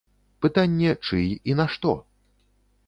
Пытанне, чый і на што?